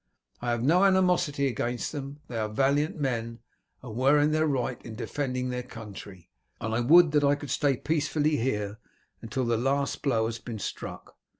I have no animosity against them, they are valiant men, and were in their right in defending their country, and I would that I could stay peacefully here until the last blow has been struck.